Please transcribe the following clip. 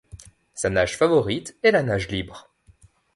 Sa nage favorite est la nage libre.